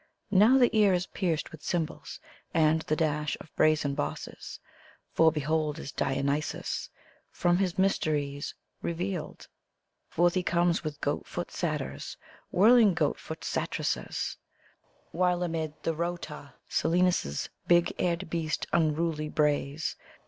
Now ihR ear is pierced with cymbals and the dash of brisen bosses, For, behold, is Dionysos from his mysteries revealed ! Forth he comes with goat foot Satyrs, whirling goat foot Satyresses, While amid the rout Silenus' big eared beast unruly brays.